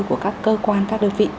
của các cơ quan các đơn vị